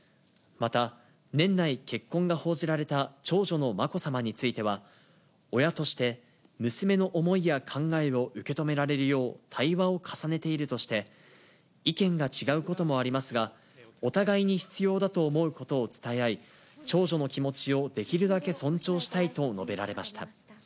また年内結婚が報じられた長女のまこさまについては、親として娘の思いや考えを受け止められるよう、対話を重ねているとして、意見が違うこともありますが、お互いに必要だと思うことを伝え合い、長女の気持ちをできるだけ尊重したいと述べられました。